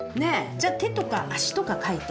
じゃ手とか足とか描いて。